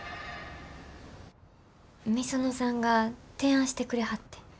御園さんが提案してくれはってん。